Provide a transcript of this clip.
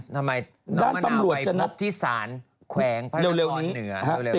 ด้านปำรวจจะนับทำไมน้องมะนาไปพบที่ศาลแขวงพระนักศรเหนือ